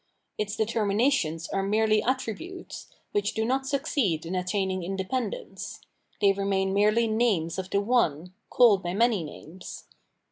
Its deter minations are merely attributes, which do not succeed in attaining independence ; they remain merely names of the One, called by many names.